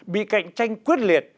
bị cạnh tranh quyết liệt